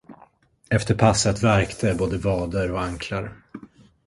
Efter passet värkte både vader och anklar.